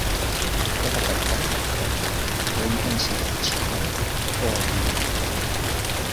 Pot afectar el to, la intensitat sonora o el timbre.